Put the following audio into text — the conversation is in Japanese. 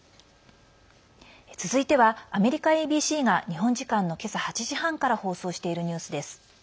続いては、アメリカＡＢＣが日本時間の今朝８時半から放送しているニュースです。